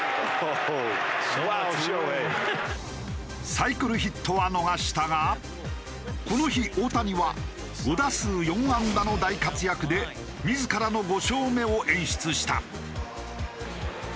サイクルヒットは逃したがこの日大谷は５打数４安打の大活躍で自らの５勝目を演出した。